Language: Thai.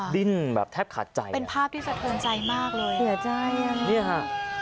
ดิ้นแบบแทบขาดใจเป็นภาพที่สะเทินใจมากเลยเสียใจอ่ะเนี่ยฮะ